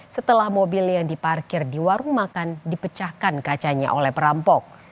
setelah mobil yang diparkir di warung makan dipecahkan kacanya oleh perampok